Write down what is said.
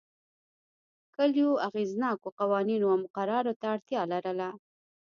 کلیو اغېزناکو قوانینو او مقرراتو ته اړتیا لرله